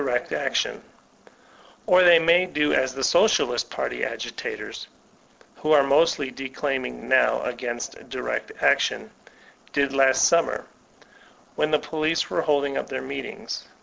DutECT Action 223 Or they may do as the Socialist Party agitators, who are mostly declaiming now against direct action, did last summ e r , when the police were holding up their meet iagt.